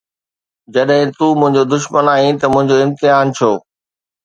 جڏهن تون دشمن آهين ته منهنجو امتحان ڇو؟